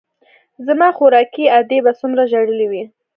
زما خواركۍ ادې به څومره ژړلي وي.